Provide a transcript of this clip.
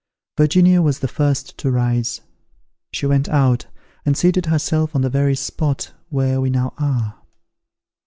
Virginia was the first to rise; she went out, and seated herself on the very spot where we now are.